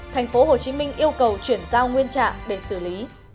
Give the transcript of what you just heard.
tp hcm yêu cầu chuyển giao nguyên trạng để xử lý